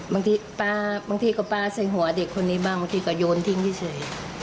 บางทีปลาบางทีก็ปลาใส่หัวเด็กคนนี้บ้างบางทีก็โยนทิ้งเฉย